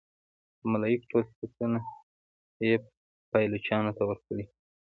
د ملایکو ټول صفتونه یې پایلوچانو ته ورکړي.